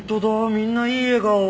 みんないい笑顔。